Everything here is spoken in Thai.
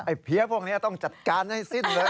เพี้ยพวกนี้ต้องจัดการให้สิ้นเลย